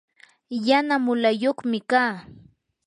yana mulayuqmi kaa.